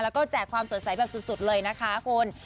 แล้วก็แจกความสดใสแบบสุดเลยนะคะคุณ